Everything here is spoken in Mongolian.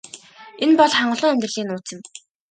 Энэ бол хангалуун амьдралын нууц юм.